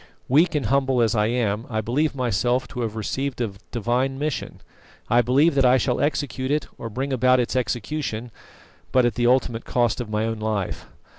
Weak and humble as I am, I believe myself to have received a Divine mission. I believe that I shall execute it, or bring about its execution, but at the ultimate cost of my own life.